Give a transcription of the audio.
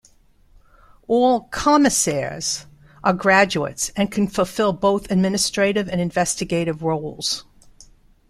All "commissaires" are graduates and can fulfill both administrative and investigative roles.